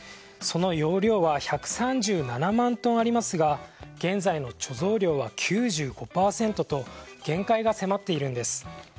その容量は１３７万トンありますが現在の貯蔵量は９５％と限界が迫っているんです。